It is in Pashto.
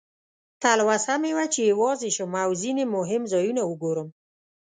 تلوسه مې وه چې یوازې شم او ځینې مهم ځایونه وګورم.